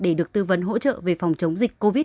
để được tư vấn hỗ trợ về phòng chống dịch covid một mươi chín